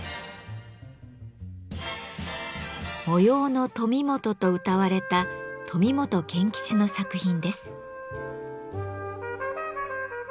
「模様の富本」とうたわれた富本憲吉の作品です。